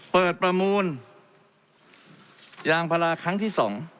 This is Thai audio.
เปิดประมูลยางพระราชครั้งที่๒